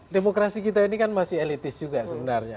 demokrasi kita ini kan masih elitis juga sebenarnya